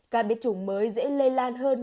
các biến chủng mới dễ lây lan hơn